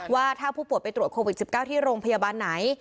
ว่าถ้าผู้ป่วยไปตรวจโควิด๑๙ที่โรงพยาบาลไหน